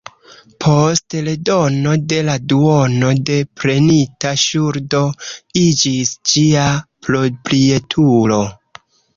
Post redono de la duono de prenita ŝuldo iĝis ĝia proprietulo.